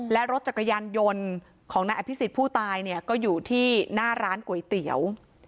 และรถจักรยานยนต์ของนายอภิษฎผู้ตายเนี่ยก็อยู่ที่หน้าร้านก๋วยเตี๋ยว